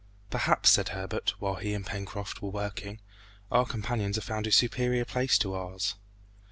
"Perhaps," said Herbert, while he and Pencroft were working, "our companions have found a superior place to ours."